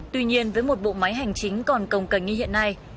tuy nhiên với một bộ máy hành chính còn công cành như hiện nay